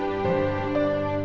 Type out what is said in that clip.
chiến tranh lùi vào dĩ vãng